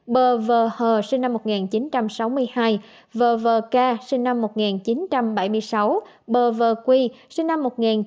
bờ v hờ sinh năm một nghìn chín trăm sáu mươi hai v v k sinh năm một nghìn chín trăm bảy mươi sáu bờ v quy sinh năm một nghìn chín trăm bảy mươi sáu